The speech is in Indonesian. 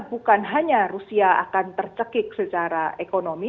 bukan hanya rusia akan tercekik secara ekonomi